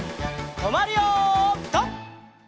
とまるよピタ！